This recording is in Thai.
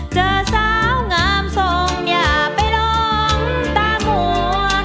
เจอสาวงามทรงอย่าไปลองตามัว